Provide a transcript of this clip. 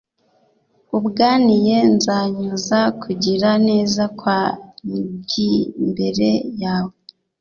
Ubganiye nzanyuza kugira neza kwanjyimbere yawe